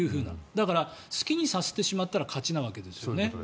だから、好きにさせてしまったら勝ちなわけですね。